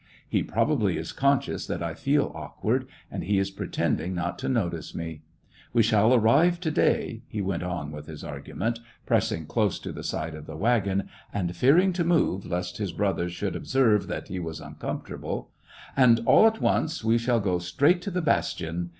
He probably is conscious that I feel awk ward, and he is pretending not to notice me. We shall arrive to day," he went on with his argument, pressing close to the side of the wagon, and fear ing to move lest his brother should observe that he was uncomfortable, " and, all at once, we shall go straight to the bastion.